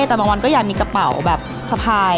แต่บางวันก็อยากมีกระเป๋าแบบสะพาย